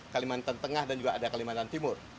kalimantan tengah dan juga ada di jambi